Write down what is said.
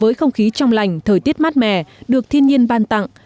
với không khí trong lành thời tiết mát mẻ được thiên nhiên ban tặng